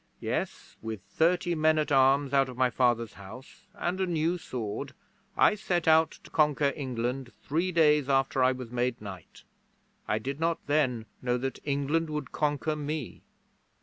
Yes, with thirty men at arms out of my father's house and a new sword, I set out to conquer England three days after I was made knight. I did not then know that England would conquer me.